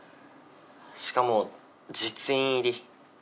しかも実印入り。